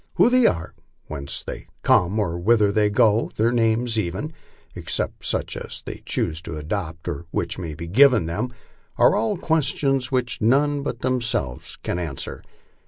Who they are, whence they come or whither they go, their names even, except such as they choose to adopt or which may be given them, are all questions which none but themselves can answer.